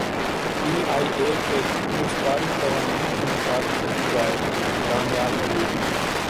P I A کی نجکاری قوانین کے مطابق کی جائے گی دانیال عزیز